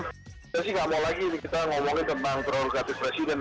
kita sih nggak mau lagi kita ngomongin tentang prerogatif presiden